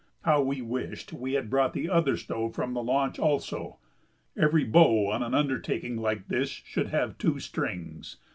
How we wished we had brought the other stove from the launch, also! Every bow on an undertaking of this kind should have two strings.